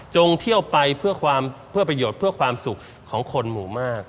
เที่ยวไปเพื่อความเพื่อประโยชน์เพื่อความสุขของคนหมู่มาก